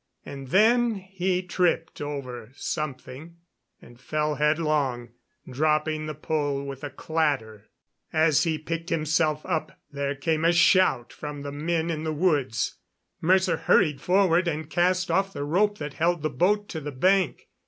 And then he tripped over something and fell headlong, dropping the pole with a clatter. As he picked himself up there came a shout from the men in the woods. Mercer hurried forward and cast off the rope that held the boat to the bank.